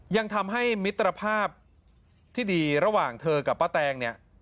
ยังทำให้มิตรภาพที่ดีระหว่างเธอกับป้าแตงเนี่ย